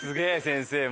先生も。